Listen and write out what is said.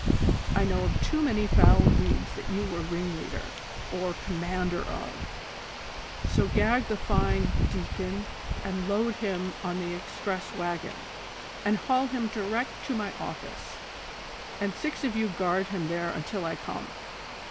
I know of too many foul deeds t1iat you Avere ringleader or commander of, so gag the fine (V) deacon (?), and load him on the express wagon, and haul him direct to my office, and six of you guard him tliere until I come.